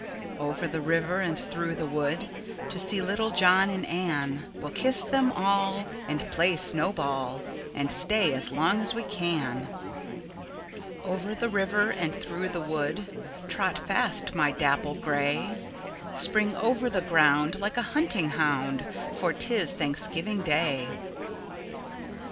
Over the river, and through the wood, To see little John and Ann; We will kiss them all, And play snow ball, And stay as long as we can. Over the river, and through the wood, Trot fast, my dapple grey! Spring over the ground, Like a hunting hound, For 't is Thanksgiving Day!